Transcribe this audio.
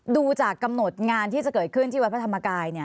ดูจากกำหนดงานที่จะเกิดขึ้นที่วัดพระธรรมกาย